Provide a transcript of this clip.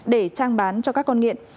để trang bán cho các con nghiện